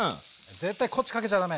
絶対こっちかけちゃ駄目！